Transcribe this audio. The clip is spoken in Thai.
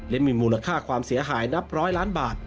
และมีมูลค่าความเสียหายนับร้อยล้านบาท